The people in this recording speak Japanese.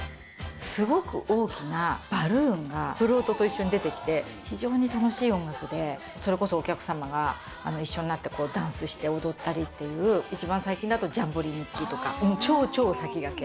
すごく大きなバルーンがフロートと一緒に出てきて、非常に楽しい音楽で、それこそお客様が一緒になってダンスして踊ったりっていう、一番最近だと、ジャンボリミッキー！とか、超超先駆け。